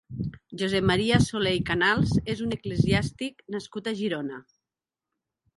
Josep Maria Soler i Canals és un eclesiàstic nascut a Girona.